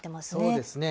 そうですね。